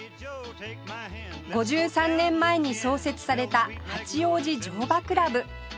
５３年前に創設された八王子乗馬倶楽部